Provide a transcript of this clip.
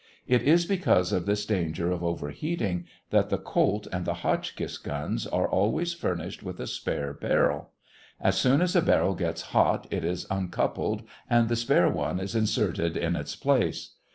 It is because of this danger of overheating that the Colt and the Hotchkiss guns are always furnished with a spare barrel. As soon as a barrel gets hot it is uncoupled and the spare one is inserted in its place.